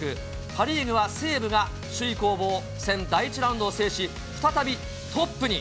パ・リーグは西武が首位攻防戦第１ラウンドを制し、再びトップに。